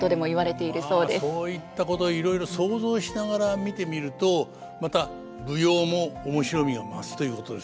まあそういったこといろいろ想像しながら見てみるとまた舞踊も面白みを増すということですよね。